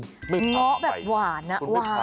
ง้อแบบหวานอะหวานอะ